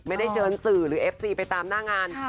ไม่ได้เชิญสื่อหรือเอฟซีไปตามหน้างาน